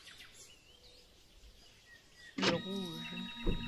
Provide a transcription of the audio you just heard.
le rouge.